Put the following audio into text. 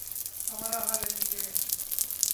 ہمارا حال عجیب ہے۔